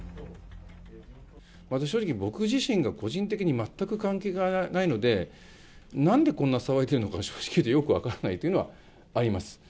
私、正直、僕自身が個人的に全く関係がないので、なんでこんな騒いでいるのか、正直言ってよく分からないというのはあります。